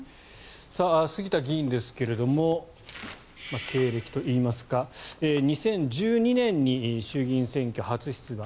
杉田議員ですが経歴といいますか、２０１２年に衆議院選挙、初出馬。